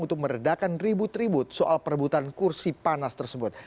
untuk meredakan ribut ribut soal perebutan kursi panas tersebut